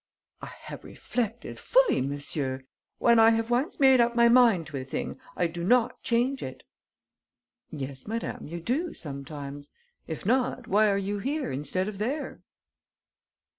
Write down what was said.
"I have reflected fully, monsieur. When I have once made up my mind to a thing, I do not change it." "Yes, madame, you do, sometimes. If not, why are you here instead of there?"